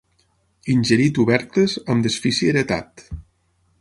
Ingerir tubercles amb desfici heretat.